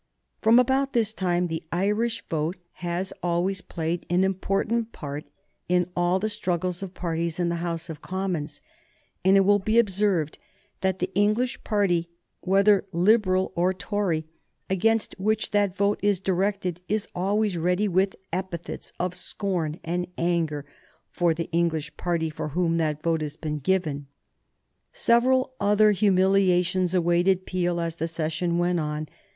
From about this time the Irish vote has always played an important part in all the struggles of parties in the House of Commons; and it will be observed that the English Party, whether Liberal or Tory, against which that vote is directed is always ready with epithets of scorn and anger for the English Party for whom that vote has been given. [Sidenote: 1835 Peel and the Opposition] Several other humiliations awaited Peel as the session went on.